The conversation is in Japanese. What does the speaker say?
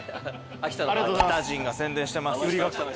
秋田人が宣伝してます。